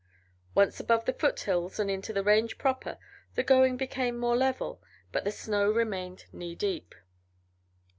Once above the foothills and into the range proper, the going became more level, but the snow remained knee deep.